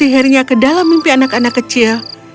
dan juga menerima sihirnya ke dalam mimpi anak anak kecil